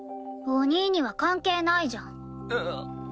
お兄には関係ないじゃん。